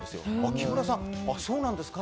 木村さん、そうなんですか？